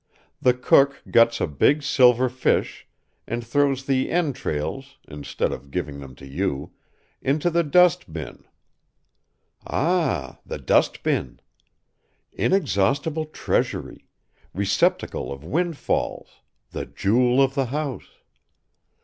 The cook guts a big silver fish and throws the entrails (instead of giving them to you!) into the dust bin. Ah, the dust bin! Inexhaustible treasury, receptacle of windfalls, the jewel of the house!